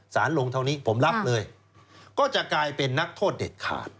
สารลงเท่านี้ผมรับเลยก็จะกลายเป็นนักโทษเด็ดขาด